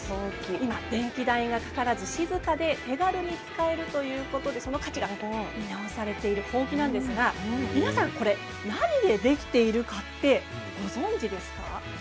今、電気代がかからず静かで手軽に使えるということでその価値が見直されているほうきなんですが皆さんこれ何でできているかってご存じですか？